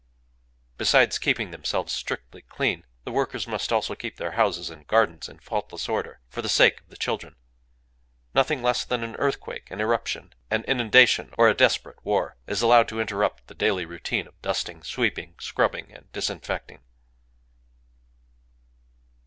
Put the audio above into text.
Besides keeping themselves strictly clean, the workers must also keep their houses and gardens in faultless order, for the sake of the children. Nothing less than an earthquake, an eruption, an inundation, or a desperate war, is allowed to interrupt the daily routine of dusting, sweeping, scrubbing, and disinfecting.